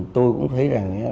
tôi cũng thấy rằng